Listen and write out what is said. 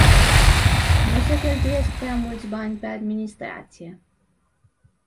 Nu se cheltuiesc prea mulți bani pe administrație?